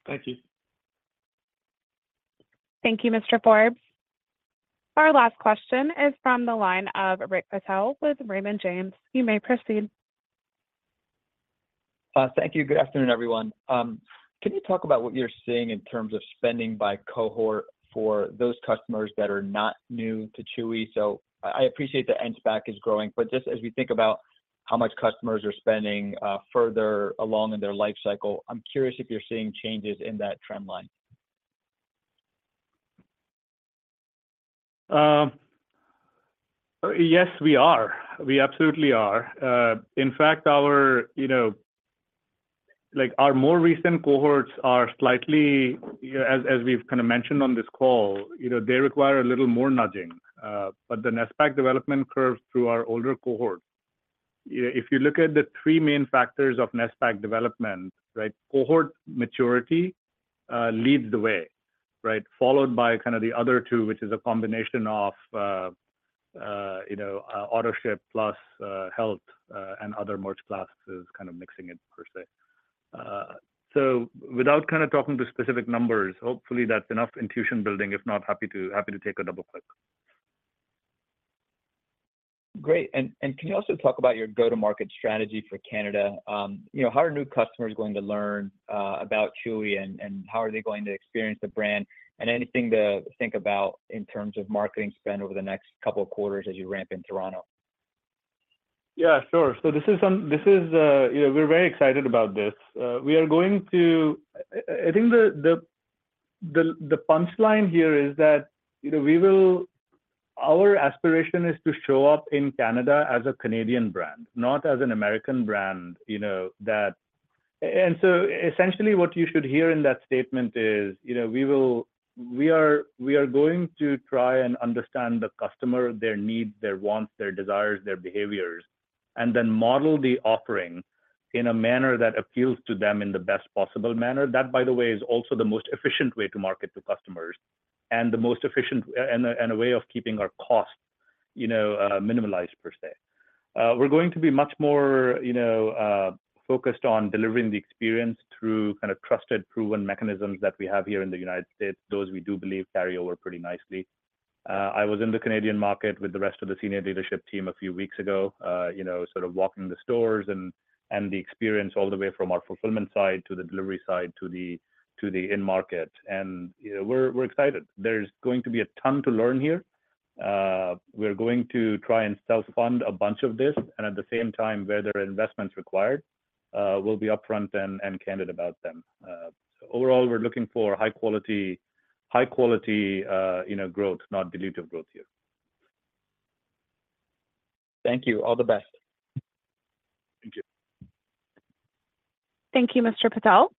Thank you. Thank you, Mr. Forbes. Our last question is from the line of Rick Patel with Raymond James. You may proceed. Thank you. Good afternoon, everyone. Can you talk about what you're seeing in terms of spending by cohort for those customers that are not new to Chewy? So I, I appreciate the NSPAC is growing, but just as we think about how much customers are spending, further along in their life cycle, I'm curious if you're seeing changes in that trend line. ... Yes, we are. We absolutely are. In fact, our, you know, like, our more recent cohorts are slightly, you know, as, as we've kind of mentioned on this call, you know, they require a little more nudging. But the NSPAC development curve through our older cohort, yeah, if you look at the three main factors of NSPAC development, right? Cohort maturity leads the way, right? Followed by kind of the other two, which is a combination of, you know, Autoship plus, health, and other merch classes, kind of mixing it per se. So without kind of talking to specific numbers, hopefully, that's enough intuition building. If not, happy to, happy to take a double click. Great! And can you also talk about your go-to-market strategy for Canada? You know, how are new customers going to learn about Chewy, and how are they going to experience the brand? And anything to think about in terms of marketing spend over the next couple of quarters as you ramp in Toronto. Yeah, sure. So this is, you know, we're very excited about this. We are going to. I think the punchline here is that, you know, we will, our aspiration is to show up in Canada as a Canadian brand, not as an American brand, you know, that. So essentially, what you should hear in that statement is, you know, we will, we are going to try and understand the customer, their needs, their wants, their desires, their behaviors, and then model the offering in a manner that appeals to them in the best possible manner. That, by the way, is also the most efficient way to market to customers, and the most efficient, and a way of keeping our costs, you know, minimized per se. We're going to be much more, you know, focused on delivering the experience through kind of trusted, proven mechanisms that we have here in the United States. Those we do believe carry over pretty nicely. I was in the Canadian market with the rest of the senior leadership team a few weeks ago, you know, sort of walking the stores and, and the experience all the way from our fulfillment side to the delivery side to the, to the end market. And, you know, we're, we're excited. There's going to be a ton to learn here. We're going to try and self-fund a bunch of this, and at the same time, where there are investments required, we'll be upfront and, and candid about them. So overall, we're looking for high quality, high quality, you know, growth, not dilutive growth here. Thank you. All the best. Thank you. Thank you, Mr. Patel.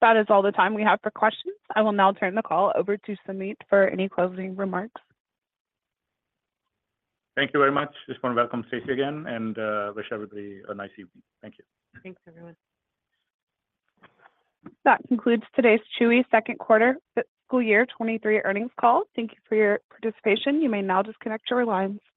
That is all the time we have for questions. I will now turn the call over to Sumit for any closing remarks. Thank you very much. Just want to welcome Stacy again, and wish everybody a nice evening. Thank you. Thanks, everyone. That concludes today's Chewy second quarter Fiscal Year 2023 earnings call. Thank you for your participation. You may now disconnect your lines.